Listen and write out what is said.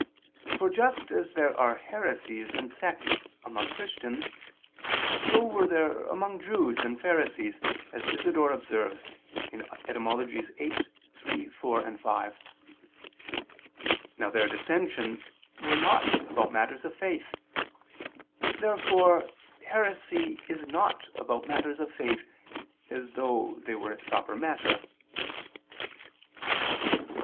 For just as there are heresies and sects among Christians, so were there among the Jews, and Pharisees, as Isidore observes (Etym. viii, 3, 4, 5). Now their dissensions were not about matters of faith. Therefore heresy is not about matters of faith, as though they were its proper matter.